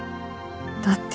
だって。